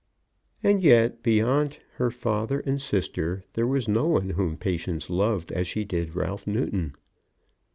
And yet, beyond her father and sister, there was no one whom Patience loved as she did Ralph Newton.